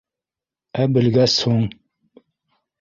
— Ә белгәс һуң?